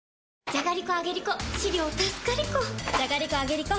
じゃがりこ、あげりこ！